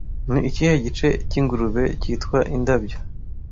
Ni ikihe gice cy'ingurube cyitwa indabyo